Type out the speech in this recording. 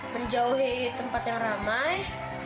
menjauhi tempat yang ramai